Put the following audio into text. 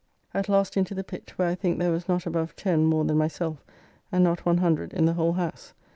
At last into the Pitt, where I think there was not above ten more than myself, and not one hundred in the whole house.